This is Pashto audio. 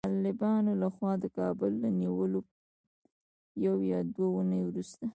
د طالبانو له خوا د کابل له نیولو یوه یا دوې اوونۍ وروسته